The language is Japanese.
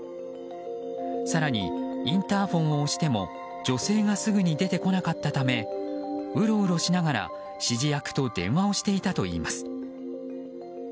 更に、インターホンを押しても女性がすぐに出てこなかったためうろうろしながら指示役と電話をしていたといいます。